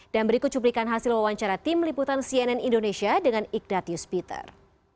dan berikut cuplikan hasil wawancara tim liputan cnn indonesia dengan ignatius peter